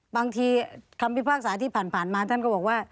บางทีคำพิพากษาที่ผ่านมาท่านก็บอกว่า